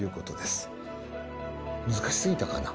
難しすぎたかな？